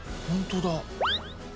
ほんとだ。